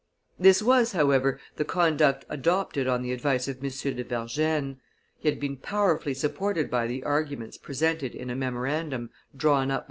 This was, however, the conduct adopted on the advice of M. de Vergennes; he had been powerfully supported by the arguments presented in a memorandum drawn up by M.